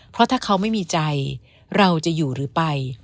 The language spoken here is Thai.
เพราะถ้าเขาไม่มีใจเราจะอยู่หรือไป